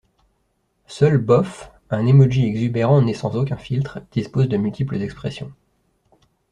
Seul Bof, un émoji exubérant né sans aucun filtre, dispose de multiples expressions.